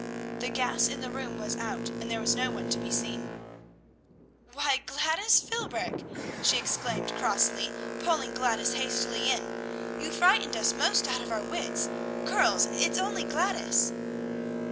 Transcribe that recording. The gas in the room was out, and there was no one to be seen. "Why, Gladys Philbrick!" she exclaimed crossly, pulling Gladys hastily in; "you frightened us almost out of our wits. Girls! it's only Gladys!"